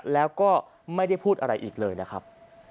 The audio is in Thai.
แล้วก็ไม่ได้พูดอะไรอีกเลยนะครับ